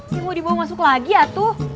ini mau dibawa masuk lagi ya tuh